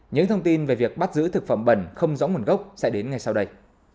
những thông tin về việc bắt giữ thực phẩm bẩn không rõ nguồn gốc sẽ đến ngay sau đây